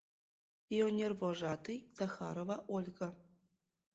Пионервожатый Захарова Ольга».